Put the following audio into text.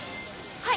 はい！